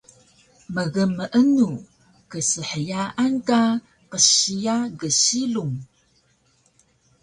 Mgmeenu knshyaan ka qsiya gsilung?